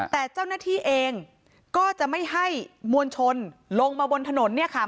แต่เจ้าหน้าที่เองก็จะไม่ให้มวลชนลงมาบนถนนเนี่ยค่ะ